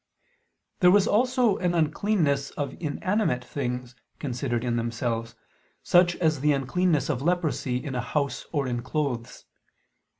There was also an uncleanness of inanimate things considered in themselves, such as the uncleanness of leprosy in a house or in clothes.